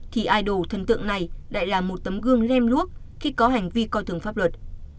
thì idol thần tượng này lại là một tấm gương lem luốc khi có hành vi coi thường pháp luật